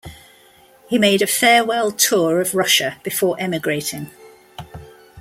He made a farewell tour of Russia before emigrating.